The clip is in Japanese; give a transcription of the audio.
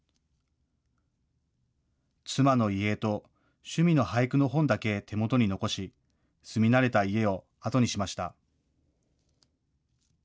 妻の遺影と趣味の俳句の本だけ手元に残し住み慣れた家を後にしました。